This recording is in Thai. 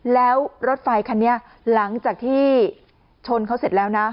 แล้วรถไฟคันนี้หลังจากที่ชนเขาเสร็จแล้วนะ